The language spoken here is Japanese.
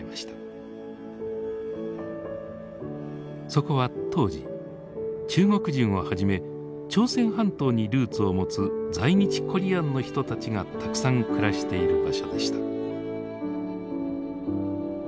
そこは当時中国人をはじめ朝鮮半島にルーツを持つ在日コリアンの人たちがたくさん暮らしている場所でした。